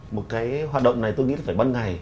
một cái hoạt động này tôi nghĩ là phải ban ngày